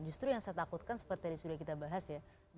justru yang saya takutkan seperti tadi sudah kita bahas ya